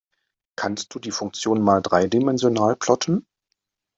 Kannst du die Funktion mal dreidimensional plotten?